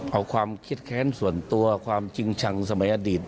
เอาความคิดแค้นส่วนตัวความจริงชังสมัยอดีต